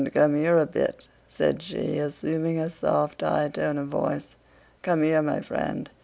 Come here a bit," said she, assuming a soft high tone of voice. "Come here, my friend..."